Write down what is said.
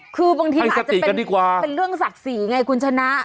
คือบางทีมันอาจจะเป็นเรื่องศักดิ์ศรีไงคุณชนะให้สติกันดีกว่า